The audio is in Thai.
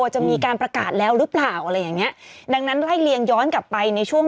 จะมีการประกาศแล้วหรือเปล่าอะไรอย่างเงี้ยดังนั้นไล่เลียงย้อนกลับไปในช่วง